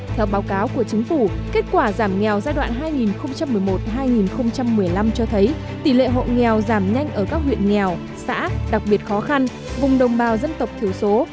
theo báo cáo của chính phủ kết quả giảm nghèo giai đoạn hai nghìn một mươi một hai nghìn một mươi năm cho thấy tỷ lệ hộ nghèo giảm nhanh ở các huyện nghèo xã đặc biệt khó khăn vùng đồng bào dân tộc thiểu số